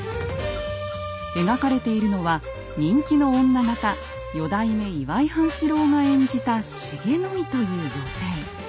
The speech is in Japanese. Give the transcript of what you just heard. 描かれているのは人気の女形四代目岩井半四郎が演じた重の井という女性。